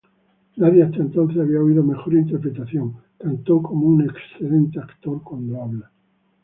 Nadie hasta entonces había oído mejor interpretación, cantó como un excelente actor cuando habla.